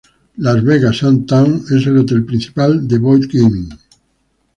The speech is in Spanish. The Las Vegas Sam's Town es el hotel principal de Boyd Gaming.